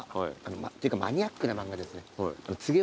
っていうかマニアックな漫画ですね。